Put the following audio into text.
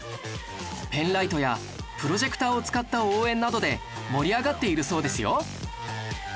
ペンライトやプロジェクターを使った応援などで盛り上がっているそうですよ